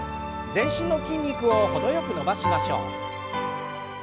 全身の筋肉を程よく伸ばしましょう。